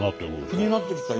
気になってきた。